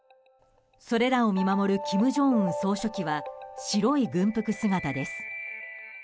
それらを見守る金正恩総書記は白い軍服姿です。